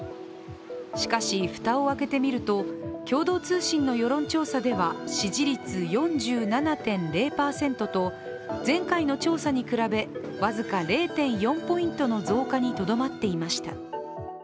しかし、蓋を開けてみると、共同通信の世論調査では支持率４７．０％と前回の調査に比べ僅か０．４ポイントの増加にとどまっていました。